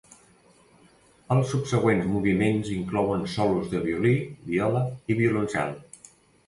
Els subsegüents moviments inclouen solos de violí, viola i violoncel.